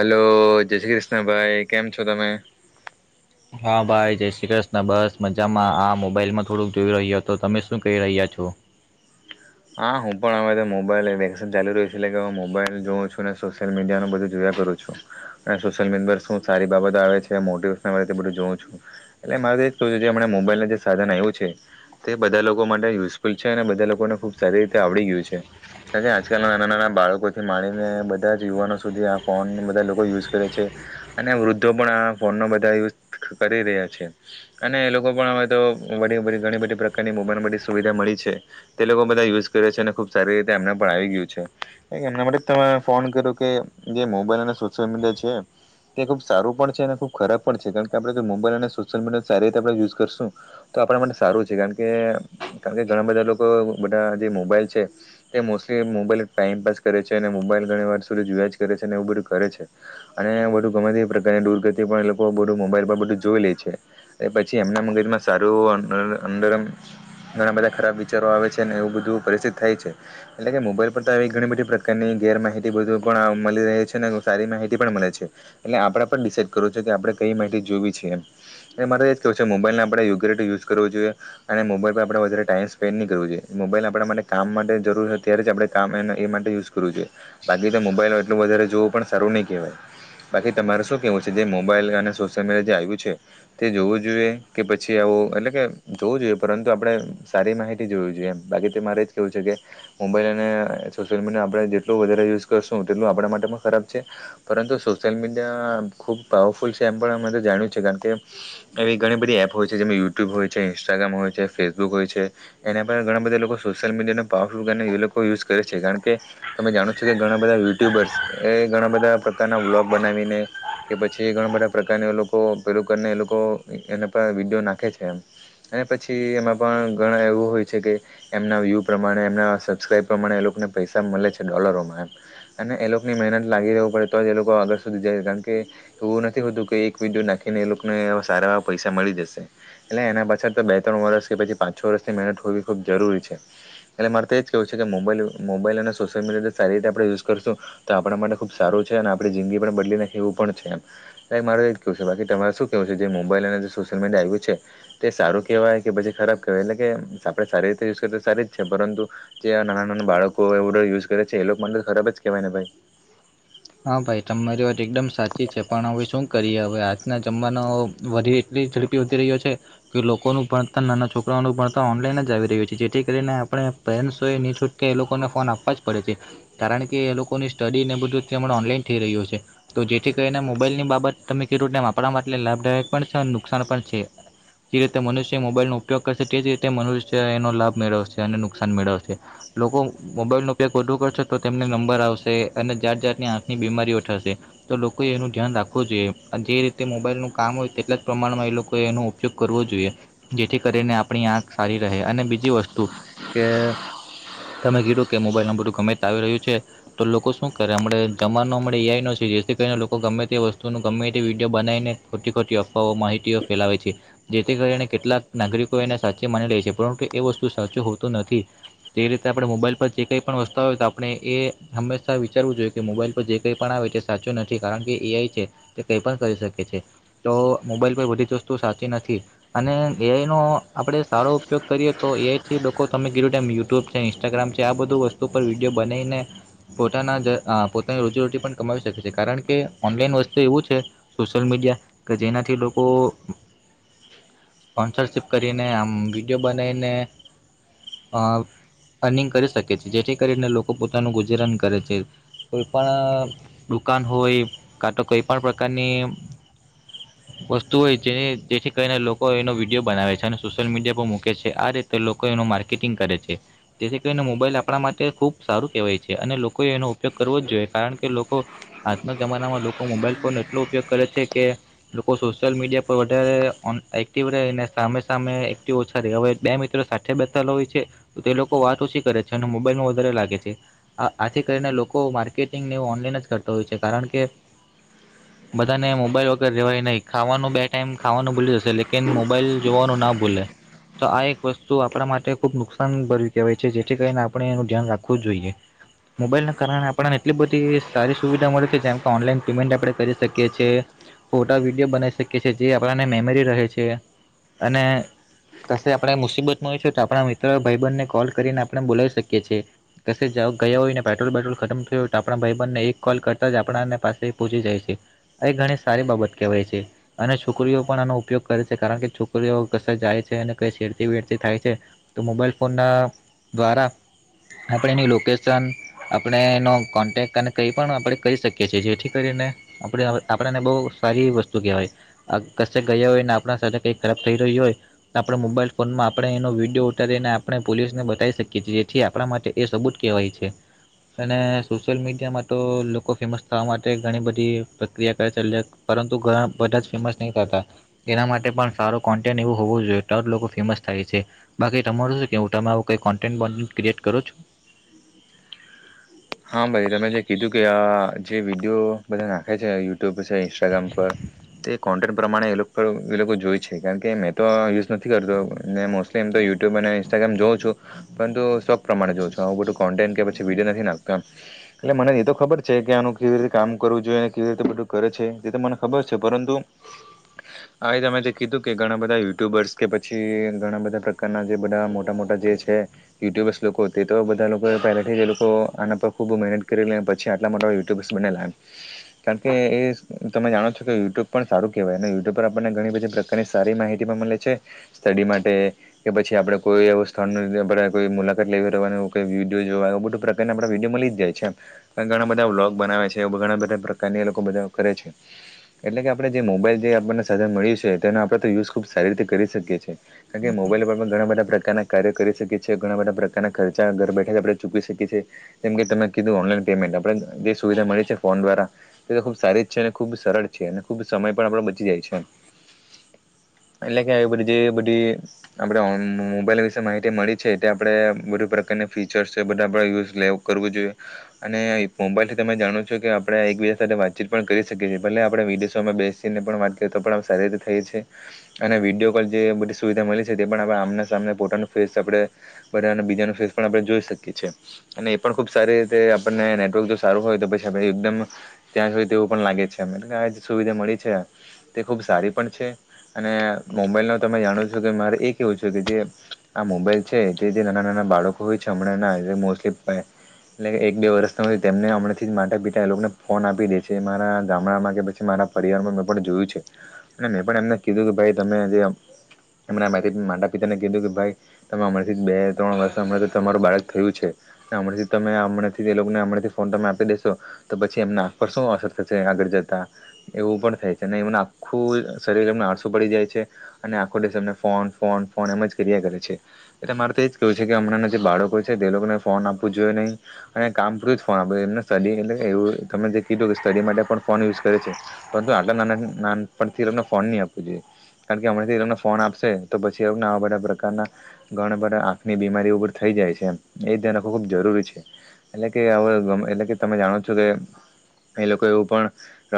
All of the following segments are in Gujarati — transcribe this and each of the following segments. હલો જય શ્રી કૃષ્ણભાઈ કેમ છો તમે હા ભાઈ જય શ્રી કૃષ્ણ બસ મજામાં આ મોબાઈલમાં થોડુંક જોઈ રહ્યો હતો તમે શું કહી રહ્યા છો હા હું પણ આવે મોબાઈલ વેન ચાલુ રહ્યું છ છે એટલે કે હું મોબાઈલ જોઉં છું અને સોશિયલ મીડિયાું બધું જોયા કરું છું અને સોશિયલ મીડિયા પર શું સારી બાબતો આવે છે મોટેશન બધું જોઉં છું એટલે મારે કું જે હમ મોબાઈલને જે સાધન આવ્યું છે તે બધા લોકો માટે યુઝફુલ છે અને બધા લોકોને ખૂબ શરી રીતે આવડી ગયું છે કારણ કે આજકાલના નાના નાના બાળકોથી માણીને બધા જ યુવાનો સુધી આ ફોન બધા લોકો યુઝ કરે છે અને વૃદ્ધો પણ આ ફોનનો બધા યુઝ કરી રહ્યા છે અને એ લોકો પણ હવે તો વરી વ ઘણી બધી પ્રકારની મોબાઈલમાં બધી સુવિધા મળી છે તે લોકો બધ યુઝ કરે છે અને ખુબ સારી રીતે એમને પણ આવી ગયું છે કાર એમના માટે તમે ફોન કર્યો કે જે મોબાઈલ અને સોશિયલ મીડિયા છે તે ખુબ સારું પણ છે અને ખૂબ ખરાબ પણ છે કારણ કે આપણે જો મોબાઈલ અને સોશિયલ મીડિયા સારી રીતે આપણે યુઝ કરશું તો આપણા માટે સારું છે કારણ કે કારણ કે ઘણા બધા લોકો બધા જે મોબાઈલ છે તે મોસ્ટલી મોબાઈલ ટાઈમપાસ કરે છે અને મોબાઈલ ઘણી વાર સુધી જોયા જ કરે છે અને એવું બધું કરે છે અને બધું ગમેતી પ્રકારને દૂર કરતી પણ એ લોકો બધું મોબાઈલ પર બધું જોઈ લે છે એ પછી એમના મગજમાં સારું અંદર ઘણા બધા ખરાબ વિચારો આવે છે એવું બધું પરિસ્થિત થાય છે એટલે કે મોબાઈલ પર તો આવી ઘણી બધી પ્રકારની ગેર માહિતી બધું પણ મળી રહે છે ને સારી માહિતી પણ મળે છે એટલે આપણેે પણ ડિસાઇડ કરવું છ છે કે આપણે કઈ માહિતી જોવી છેીએ એટલે મારે એ જ કેવું છે કે મોબાઈલને આપણે યુગટ યુઝ કરવો જોઈએ અને મોબાઈલ પર આપણે વધારે ટાઈમ સ્પેન્ડ નહી કરવો જોઈએ મોબાઈલ આપણા માટે કામ માટે જરૂર ત્યારે જ આપણે કામ એ એ માટે યુઝ કરવું જોઈએ બાકી તો મોબાઈલ એટલું વધારે જોવું પણ સારું નહીં કહેવાય બાકી તમારે શું કેહેવું છે જે મોબાઈલ અને સોશિયલ મીડિયા જે આવ્યું છે તે જોવું જોઈએ કે પછી આવું એટલે કે જોવું જોઈએ પરંતુ આપણે સારી માહિતી જોવી જોઈએ એમ બાકી તો મારે જ કેહેવું છે કે મોબાઈલ અને સોશિયલ મીડિયા આપણે જેટલું વધારે યુઝ કરશું તેટલું આપણા માટે પણ ખરાબ છે પરંતુ સોશિયલ મીડિયા ખૂબ પાવરફુલ છે એમ પણ અમે તો જાણ્યું છે કારણ કે એવી ઘણી બધી એપ હોય છે જેમાં યુટ્યુબ હોય છે ઇન્સ્ટાગ્રામ હોય છે ફેસબુક હોય છે એના પણ ઘણા બધા લોકો સોશિયલ મીડિયાને પાવરફુલ કરીને એ લોકો યુઝ કરે છે કારણ કે તમે જાણો છો કે ઘણા બધા યુટ્યુબર્સ એ ઘણા બધા પ્રકારના વ્લોગ બનાવીને કે પછી ઘણા બધા પ્રકારના એ લોકો પેલું કરીને એ લોકો એના પર વિડીયો નાખે છે એમ અને પછી એમાં પણ ઘણા એવું હોય છે કે એમના વ્યૂ પ્રમાણે એમના સબસ્ક્રાઈબ પ્રમાણે એ લોકોને પૈસા મળે છે ડોલરોમાંમ અને એ લોકોની મહેનત લાગી રહ પડે તો જ એ લોકો આગળ સુધી જાય કારણ કે એવું નથી હોતું કે એક વિડીયો નાખીને એ લોકોને સારા એવા પૈસા મળી જશે એટલે એના પાછળ તો બે ત્રણ વર્ષ કે પછી પાંચ છો વર્ષની મહેનત હોવી ખૂબ જરૂરી છે એટલે મારે તો એ જ કહેવું છે કે મોબાઈલ મોબાઈલ અને સોશિયલ મીડિયા સારી રીતે આપણે યુઝ કરશું તો આપણા માટે ખૂબ સારું છે અને આપણી જિંદગી પણ બદલી નાખે એવું પણ છે એમ મારે તો એ જ કહેવું છે બાકી તમારે શું કહેવું છે જે મોબાઈલ અને જે સોશિયલ મીડિયા આવ્યું છે તે સારું કહેવાય કે પછી ખરાબ કહેવાય એટલે કે આપણે સારી રીતે યુઝ કરીએ તો સારી જ છે પરંતુ જે નાના નાના બાળકો એવુંડ યુઝ કરે છે એ લોકો મને તો ખરાબ જ કહેવાય ને ભાઈ હા ભાઈ તમારી વાત એકદમ સાચી છે પણ હવે શું કરીએ હવે આજના જમાનો વધી એટલી ઝડપી વધી રહ્યો છે કે લોકોનું ભણતર નાના છોકરાઓનું ભણતર ઓનલાઈન જ આવી રહ્યું છે જેથી કરીને આપણે પેરેન્ટ્સએ ની છૂટકે એ લોકોને ફોન આપવા જ પડે છે કારણ કે એ લોકોની સ્ટડીને બધું મણા ઓનલાઈન થઈ રહ્યું છે તો જેથી કરીને મોબાઈલની બાબત તમે કીધું ને એમ આપણા માટે લાભદાયક પણ છે અને નુકસાન પણ છે જે રીતે મનુષ્ય મોબાઈલનો ઉપયોગ કરશે તે જ રીતે મનુષ્ય એનો લાભ મેળવશે અને નુકસાન મેળવશે લોકો મોબાઈલનો ઉપયોગ વધો કરશે તો તેમને નંબર આવશે અને જાત જાત આપની આંખની બીમારીઓઠશે તો લોકોએ એનું ધ્યાન રાખવું જોઈએ જે રીતે મોબાઈલનું કામ હોય તેટલા જ પ્રમાણમાં એ લોકોએ એનો ઉપયોગ કરવો જોઈએ જેથી કરીને આપણી આંખ સારી રહે અને બીજી વસ્તુ કે તમે કીધું કે મોબાઈલ નંબરું ગમે તે આવી રહ્યું છે તો લોકો શું કરે હમણાં જમાવાનો મળે ંય ન છે જેથી કરીને લોકો ગમે તે વસ્તુનું ગમે તે વિડીયો બનાવીને ખોટી ખોટી અફવાઓ માહિતીઓ ફેલાવેય છે જેથી કરીને કેટલાક નાગરિકો એને સાચી માની લે છે પરંતુ એ વસ્તુ સાચું હોતું નથી તે રીતે આપણે મોબાઈલ પર જે કંઈ પણ વસ્તુ હોય તો આપણે એ હંમેશા વિચારવું જોઈએ કે મોબાઈલ પર જે કંઈ પણ આવે તે સાચું નથી કારણ કે એઆઈ છે તે કંઈ પણ કરી શકે છે તો મોબાઈલ પર બધી જ વસ્તુ સાચી નથી અને એઆઈનો આપણે સારો ઉપયોગ કરીએ તો એઆઈથી લોકો તમે કીધું ટાઈમ યુટ્યુબ છે ઇન્સ્ટાગ્રામ છે આ બધું વસ્તુ પર વિડીયો બનાવીને પોતાના જ પોતાની રોજીરોટી પણ કમાવી શકે છે કારણ કે ઓનલાઈન વસ્તુ એવું છે સોશિ્યલ મીડિયા કે જેનાથી લોકો સ્પોન્સરશીપ કરીને આમ વિડીયો બનાવીને અર્નિંગ કરી શકે છે જેથી કરીને લોકો પોતાનું ગુજરન કરે છે કોઈ પણ દુકાન હોય કાં તો કોઈ પણ પ્રકારની વસ્તુ હોય જે જેથી કરીને લોકો એનો વિડીયો બનાવે છે અને સોશિયલ મીડિયા પર મૂકે છે આ રીતે લોકો એનું માર્કેટિંગ કરે છે જેથી કરીને મોબાઈલ આપણા માટે ખૂબ સારું કહેવાય છે અને લોકોએ એનો ઉપયોગ કરવો જ જોઈએ કારણ કે લોકો આજના જમાનામાં લોકો મોબાઈલ ફોનનો એટલો ઉપયોગ કરે છે કે લોકો સોશિયલ મીડિયા પર વધારે એક્ટિવ રહીને સામે સામે એક્ટિવ ઓછા રહે હવે બે મિત્રો સાથે બેઠેલા હોય છે તો તે લોકો વાત ઓછી કરે છે અને મોબાઈલનો વધારે લાગે છે આ આથી કરીને લોકો લોકો માર્કેટિંગને એવું ઓનલાઈન જ કરતા હોય છે કારણ કે બધાને મોબાઈલ વગર રહેવાય નહીં ખાવાનું બે ટાઈમ ખાવાનું ભૂલી જશે લેકન મોબાઈલ જોવાનું ના ભૂલે તો આ એક વસ્તુ આપણા માટે ખૂબ નુકસાન ભર્યું કહેવાય છે જેથી કરીને આપણે એનું ધ્યાન રાખવું જ જોઈએ મોબાઈલ કારણે આપણને એટલી બધી સારી સુવિધા મળે છે જેમ કે ઓનલાઈન પેમેન્ટ આપણે કરી શકીએ છીએ ફોટા વિડીયો બનાવી શકીએ છીએ જે આપણને મેમરી રહે છે અને કશે આપણે મુસીબતમાં હોય છે તો આપણા મિત્રો ભાઈ બનને કોલ કરીને આપણે બોલાવી શકીએ છીએ ક ગયા હોયને પટ્રોલ બેટ્રોલ ખતમ થયો હોય તો આપણા ભાઈ બનને એક કોલ કરતાં જ આપણાને પાસે પહોંચી જાય છે એ ઘણી સારી બાબત કહેવાય છે અને છોકરીઓ પણ આનો ઉપયોગ કરે છે કારણ કે છોકરીઓ કશ જાય છે અને કઈ છેડતી વેરતી થાય છે તો મોબાઈલ ફોનના દ્વારા આપણે એની લોકેશન આપણે એનો કોન્ટેક અને કંઈ પણ આપણે કરી શકીએ છીએ જેથી કરીને આપણે આપણાને બહુ સારી વસ્તુ કહેવાય આ કશે ગયા હોય ને આપણા સાથે કઈ ખરાબ થઈ રહી હોય તો આપણે મોબાઈલ ફોનમાં આપણે એનો વિડીયો ઉતારીને આપણે પોલીસને બતાવી શકીએ છીએ જેથી આપણા માટે એ સબૂત કહેવાય છે અને સોશિયલ મીડિયામાં તો લોકો ફેમસ થવા માટે ઘણી બધી પ્રક્રિયા કરે ચાલ્યા પરંતુ ઘણા બધા જ ફેમસ નહીં થતા એના માટે પણ સારો કોન્ટેન્ટ એવું હોવો જોઈએ તો જ લોકો ફેમસ થાય છે બાકી તમારું શું કે હું તમે આવું કંઈ કોન્ટેન્ટ બ ક્રિએટ કરું છું હા ભાઈ તમે જે કીધું કે આ જે વિડીયો બધા નાખે છે યુટ્યુબ છે ઇન્સ્ટાગ્રામ પર તે કોન્ટેન્ટ પ્રમાણે એ લોકો જોય છે કારણ કે મેં તો યુઝ નથી કરતોને એમ તો યુટ્યુબ અને ઇન્સ્ટાગ્રામ જોઉ છું પરંતુ સ્વપ પ્રમાણે જોઉ છું આવું બધું કોન્ટેન્ટ કેછ વિડિયો નથી ના એટલે મને એ તો ખબર છે કે આનું કેવી રીતે કામ કરવું જોઈએ કેવી રીતે બધું કરે છે તે તો મને ખબર છે પરંતુ આ તમે જે કીધું કે ઘણા બધા યુટ્યુબર્સ કે પછી ઘણા બધા પ્રકારના જે બધા મોટા જે છે યુટ્યુબર્સ લોકો તે તો બધા લોકો પહેલાંથી જ લોકો આના પર ખૂબ મહેનત કરીલી પછી આટલા મોટા યુટ્યુબર્સ બનેલા એમ કારણ કે એ તમે જાણો છો કે યુટ્યુબ પણ સારું કહેવાય અને યુટ્યુબ પર આપણને ઘણી બધી પ્રકારની સારી માહિતી પણ મળે છે સ્ટડી માટે કે પછી આપણે કોઈ એવું સ્થળ આપણે કોઈ મુલાકાત લેવી રહેવાનું કોઈ વિડિયો જોવા બધું પ્રકાર તેને આપણા વિડીયો મળી જ જાય છે એમ ઘણા બધા વ્લોગ બનાવે છે ઘણા બધા પ્રકારની એ લોકો બધા કરે છે એટલે કે આપણે જે મોબાઈલ જે આપણને સાધન મળ્યું છે તેનો આપણે તો યુઝ ખૂબ સારી રીતે કરી શકીએ છીએ કારણ કે મોબાઈલ ઉપર પણ ઘણા બધા પ્રકારના કાર્ય કરી શકીએ છીએ ઘણા બધા પ્રકારના ખર્ચા ઘર બેઠા જ આપણે ચૂકી શકીએ છીએ કેમકે કીધું ઓનલાઈન પેમેન્ટ આપણે જે સુવિધા મળી છે ફોન દ્વારા એ તો ખુબ સારી જ છે અને ખુબ સરળ છે અને ખુબ સમય પણ આપડો બચી જાય છે એટલે કે આવી બધી જે બધી આપણે મોબાઈલ વિશે માહિતી મળી છે એ આપણે બધુ પ્રકારના ફીચર્સ છે બધા યુઝ એટલે કરવું જોઈએ અને મોબાઈલથી તમે જાણો છો કે આપણે એકબીજા સાથે વાતચીત પણ કરી શકીએ છીએ ભલે આપણે વિદેશોમાં બેસીને પણ વાત કરીએ તો પણે સારી રીતે થઈએ છીએ અને વિડીયો કોલ જે બધી સુવિધા મળી છે તે પણ આપ આમના સામને પોતાનું ફેસ આપણે બધાને બીજાનું ફેસ પણ આપણે જોઈ શકીએ છીએ અને એ પણ ખુબ સારી રીતે આપણને નેટવર્ક જો સારું હોય તો પછી આપ એકદમ ત્યાં જ હોય તેવું પણ લાગે છે એ કે આ જે સુવિધા મળી છે તે ખૂબ સારી પણ છે અને મોબાઈલ ન તમે જાણો છો કે મારે એ કેવું છે કે જે આ મોબાઈલ છે તે જે નાના નાના બાળકો હોય છે હમણાંના મોસ્ટલી એટલે એક બે વર્ષ તેમને અમથી માતા પિતા એ લોકોને ફોન આપી દે છે મારા ગામડામાં કે પછી મારા પરિવારમાં મેં પણ જોયું છે અને મેં પણ એમને કીધું કે ભાઈ તમે જેમ માતા પિતાને કીધું કે ભાઈ તમે અમરથી બે ત્રણ વર્ષમ તમારું બાળક થયું છે હમણાંથી તમે હમણાંથી એ લોકોને હમણાંથી ફોન તમે આપી દેશો તો પછી એમના આંખ પર શું અસર થશે આગળ જતા એવું પણ થાય છે અને એમં આખું શરીર એમને આળસું પડી જાય છે અને આખો દેશ એમને ફોન ફોન ફોન એમ જ ક્રિયા કરે છે એટલે મારે તો એ જ કહેવું છે કે હમણાં જે બાળકો છે તે લોકોને ફોન આપવું જોઈએ નહીં અને કામ પૂરું જ ફોન આપવું જોઈએ એમને સ્ટડી એટલે એવું તમે જે કીધું કે સ્ટડી માટે પણ ફોન યુઝ કરે છે પરંતુ આટલા ના નાનપણથી એમને ફોન નહીં આપવો જોઈએ કારણ કે હમણાંથી તમને ફોન આપશે તો પછી એને આવા બધા પ્રકારના ઘણા બધા આંખની બીમારીઓ થઈ જાય છે એ ધ્યાન ખૂબ જરૂરી છે એટલે કે હ એટલે કે તમે જાણો છો કે એ લોકો એવું પણ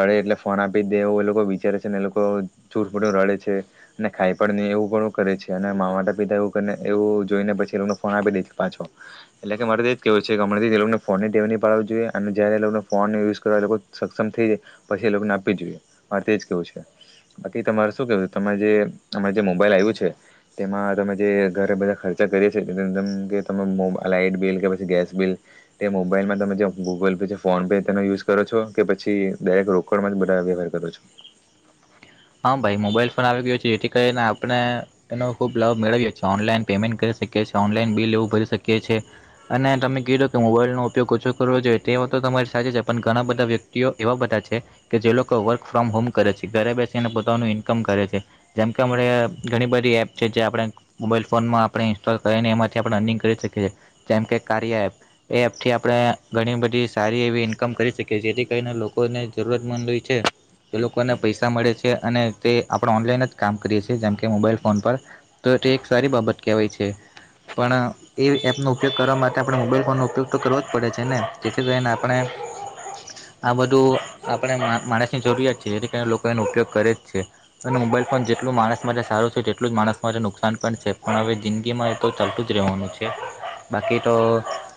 રડે એટલે ફોન આપી દે એવો એ લોકો વિચારે છે ને એ લોકો જુટમુટ રડે છે અને ખાઈ પણ નહીં એવું પણ કરે છે અને મા માતા પિતા એવુંને એવું જોઈને પછી એ લોકોને ફોન આપી દે છે પાછો એટલે કે મારે તે એ જ કહેવું છે કે હમણાંથી એ લોકોને ફોનની ટેવ ન પાડવું જોઈએ અને જ્યારે એ લોકોને ફોન યુઝ કરવા એ લોકો સક્ષમ થઈ જાય પછી એ લોકોને આપી જ જોઈએ મારે તો જ કહેવું છે બાકી તમારે શું કહેવું છે તમામે જે અમારે જે મોબાઈલ આવ્યું છે તેમાં તમે જે ઘરે બધા ખર્ચા કરીએ છીએ જેમ કે તમે મોબ આ લાઇટ બિલ કે પછી ગેસ બિલ તે મોબાઈલમાં તમે જે ગૂગલ પે છે ફોન પે તેનો યુઝ કરો છો કે પછી દરેક રોકડમાં જ બધા વ્યવહાર કરો છો હા ભાઈ મોબાઈલ ફોન આવી ગયો છે જેથી કરીને આપણે એનો ખૂબ લાભ મેળવી્યો છેએ ઓનલાઈન પેમેન્ટ કરી શકીએ છીએ ઓનલાઈન બિલ એવું ભરી શકીએ છીએ અને તમે કીધો કે મોબાઈલનો ઉપયોગ ઓછો કરવો જોઈએ તે તો તમારી સાચે છે પણ ઘણા બધા વ્યક્તિઓ એવા બધા છે કે જે લોકો વર્ક ફ્રોમ હોમ કરે છે ઘરે બેસે પોતાનું ઈન્કમ કરે છે જેમકે અણે ઘણી બધી એપ છે જે આપણે મોબાઈલ ફોનમાં આપણે ઇન્સ્ટોલ કરીને એમાંથી આપણે અર્નિંગ કરી શકીએ છીએ જેમ કે કાર્ય એપ એ એપથી આપણે ઘણી બધી સારી એવી ઇન્કમ કરી શકીએ જેથી કરીને લોકોને જરૂરત મંદ હો છે કે લોકોને પૈસા મળે છે કે અને તે આપણે ઓનલાઈન જ કામ કરીએ છીએ જેમ કે મોબાઈલ ફોન પર તો તે એક સારી બાબત કહેવાય છે પણ એ એપનો ઉપયોગ કરવા માટે આપણે મોબાઈલ ફોનનો ઉપયોગ તો કરવો જ પડે છે ને જેથી કરીને આપણે આ બધું આપણે મા માણસની જરૂરત છે જેથી કરીને લોકો એનો ઉપયોગ કરે જ છે અને મોબાઈલ ફોન જેટલું માણસ માટે સારું છે તેટલું જ માણસ માટે નુકસાન પણ છે પણ હવે જિંદગીમાં એ તો ચાલતું જ રહેવાનું છે બાકી તો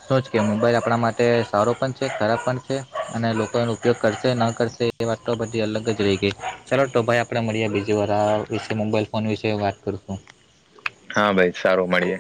શું જ કે મોબાઈલ આપણા માટે સારો પણ છે ખરાબ પણ છે અને લોકો એનો ઉપયોગ કરશે ન કરશે એ વાત તો બધી અલગ જ રહી ગઈ ચાલો તો ભાઈ આપણે મળીએ બીજી વાર આ વિશે મોબાઈલ ફોન વિશે વાત કરશું હા ભાઈ સારું મળીએ